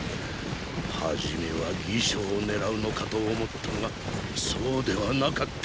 初めは魏将を狙うのかと思ったがそうではなかった。